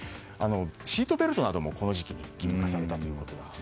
シートベルトなどもこの時期に義務化されたということなんです。